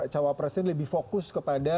cawa presiden lebih fokus kepada